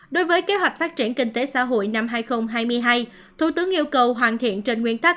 đối với kế hoạch phát triển kinh tế xã hội năm hai nghìn hai mươi hai thủ tướng yêu cầu hoàn thiện trên nguyên tắc